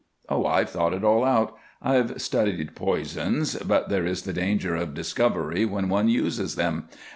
Oh, I've thought it all out. I've studied poisons, but there is the danger of discovery when one uses them.